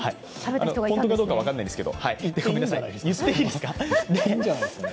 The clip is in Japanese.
本当かどうか分からないんですが。